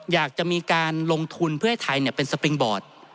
อยากจะมีการลงทุนเพื่อให้ไทยเป็นสปริงบอร์ด